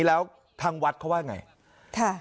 แล้วทางวัดเขาว่าอย่างไร